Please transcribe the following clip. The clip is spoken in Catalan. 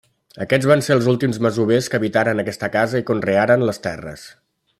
Aquests van ser els últims masovers que habitaren aquesta casa i conrearen les terres.